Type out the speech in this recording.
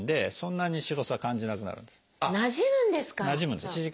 なじむんですか。